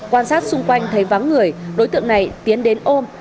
quan sát xung quanh thấy vắng người đối tượng này tiến đến ôm